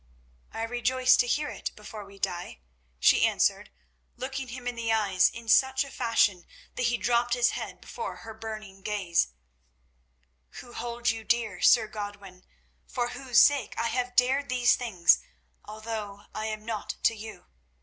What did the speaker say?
"I rejoice to hear it before we die," she answered, looking him in the eyes in such a fashion that he dropped his head before her burning gaze, "who hold you dear, Sir Godwin, for whose sake I have dared these things, although I am nought to you.